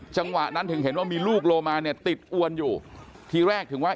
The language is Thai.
จังหวะนั้นถึงเห็นว่ามีลูกโลมาเนี่ยติดอวนอยู่ทีแรกถึงว่า